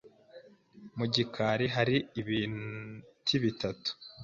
Mu gikari hari ibiti bitatu.